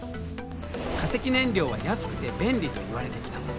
化石燃料は安くて便利といわれてきた。